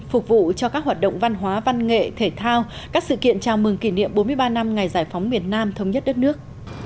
phục vụ cho các hoạt động văn hóa văn nghệ thể thao các sự kiện chào mừng kỷ niệm bốn mươi ba năm ngày giải phóng miền nam thống nhất đất nước